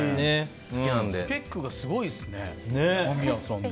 スペックがすごいですね間宮さんの。